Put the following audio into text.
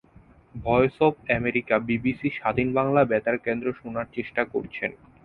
Voice of America, BBC, স্বাধীন বাংলা বেতার কেন্দ্র শোনার চেষ্টা করছেন।